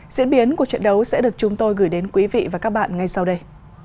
diễn biến của trận đấu sẽ được chúng tôi gửi đến quý vị và các bạn ngay sau đây